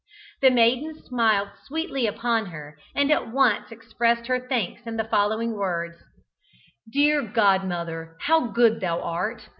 The maiden smiled sweetly upon her, and at once expressed her thanks in the following words: "Dear godmother! how good thou art!